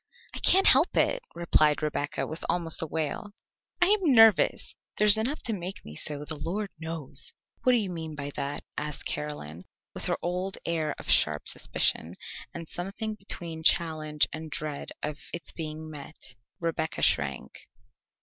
"I can't help it," replied Rebecca with almost a wail. "I am nervous. There's enough to make me so, the Lord knows." "What do you mean by that?" asked Caroline with her old air of sharp suspicion, and something between challenge and dread of its being met. Rebecca shrank.